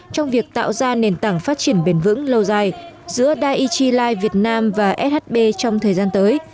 trong việc tạo ra nền tảng phát triển bền vững lâu dài giữa digi life việt nam và shb trong thời gian tới